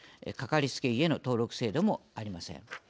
かかりつけ医への登録制度もありません。